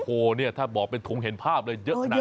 โหเนี่ยถ้าบอกเป็นถุงเห็นภาพเลยเยอะนักไง